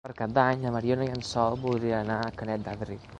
Per Cap d'Any na Mariona i en Sol voldrien anar a Canet d'Adri.